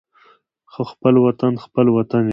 خو خپل وطن خپل وطن وي.